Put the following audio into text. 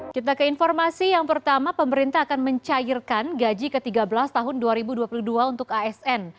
kita ke informasi yang pertama pemerintah akan mencairkan gaji ke tiga belas tahun dua ribu dua puluh dua untuk asn